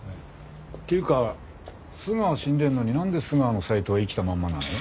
っていうか須川死んでんのになんで須川のサイトは生きたまんまなの？